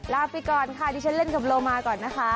ลาไปก่อนค่ะดิฉันเล่นกับโลมาก่อนนะคะ